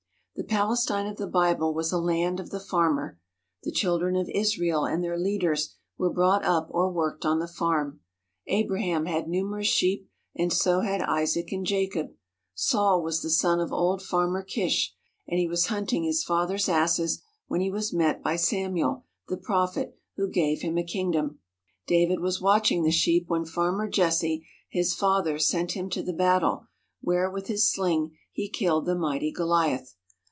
The Palestine of the Bible was a land of the farmer. The Children of Israel and their leaders were brought up or worked on the farm. Abraham had numerous sheep and so had Isaac and Jacob. Saul was the son of old Farmer Kish, and he was hunting his father's asses when he was met by Samuel, the prophet, who gave him a kingdom. David was watching the sheep when Farmer Jesse, his father, sent him to the battle, where with his sling he killed the mighty Goliath.